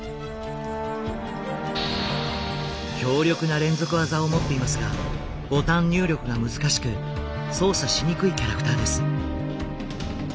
強力な連続技を持っていますがボタン入力が難しく操作しにくいキャラクターです。